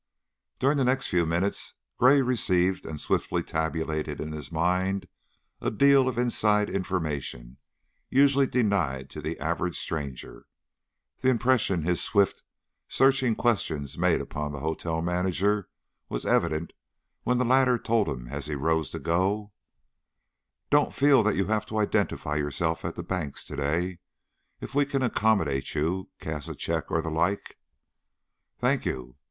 During the next few minutes Gray received and swiftly tabulated in his mind a deal of inside information usually denied to the average stranger; the impression his swift, searching questions made upon the hotel manager was evident when the latter told him as he rose to go: "Don't feel that you have to identify yourself at the banks to day. If we can accommodate you cash a check or the like " "Thank you."